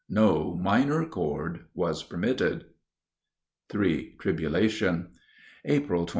No minor chord was permitted. III TRIBULATION _April 25.